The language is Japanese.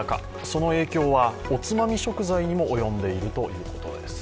その影響はおつまみ食材にも及んでいるということです。